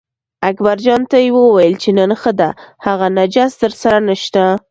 اکبرجان ته یې وویل چې نن ښه ده هغه نجس درسره نشته.